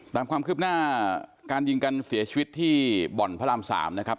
ตามความคืบหน้าการยิงกันเสียชีวิตที่บ่อนพระราม๓นะครับ